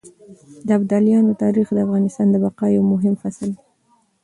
د ابدالیانو تاريخ د افغانستان د بقا يو مهم فصل دی.